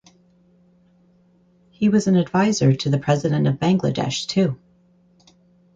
He was an adviser to the President of Bangladesh too.